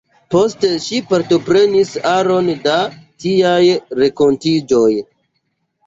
Poste ŝi partoprenis aron da tiaj renkontiĝoj.